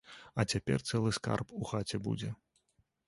А цяпер цэлы скарб у хаце будзе.